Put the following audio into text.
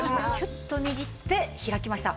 キュッと握って開きました